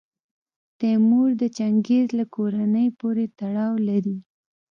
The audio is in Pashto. تیمور د چنګیز له کورنۍ پورې تړاو لري.